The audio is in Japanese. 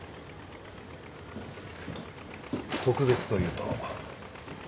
特別というと？